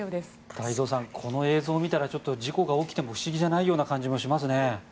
太蔵さんこの映像を見たら事故が起きても不思議じゃない感じがしますね。